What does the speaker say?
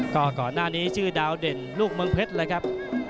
ก็ก่อนหน้านี้ชื่อดาวเด่นลูกเมืองเพชรเลยครับ